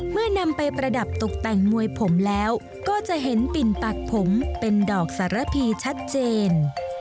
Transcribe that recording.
เมื่อนำไปประดับตกแต่งมวยผมแล้วก็จะเห็นปิ่นปากผมเป็นดอกสารพีชัดเจน